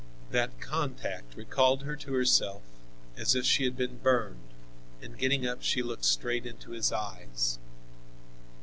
That contact recalled her to herself, as if she had been burned, and getting up, she looked straight into his eyes.